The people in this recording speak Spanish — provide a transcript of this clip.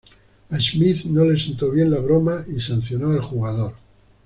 A Smith no le sentó bien la broma y sancionó al jugador.